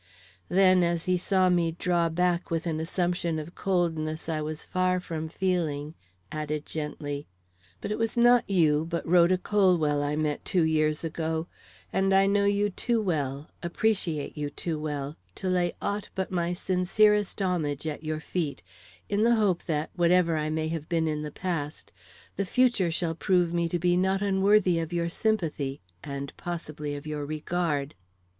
Then, as he saw me draw back with an assumption of coldness I was far from feeling, added gently: "But it was not you, but Rhoda Colwell, I met two years ago, and I know you too well, appreciate you too well, to lay aught but my sincerest homage at your feet, in the hope that, whatever I may have been in the past, the future shall prove me to be not unworthy of your sympathy, and possibly of your regard."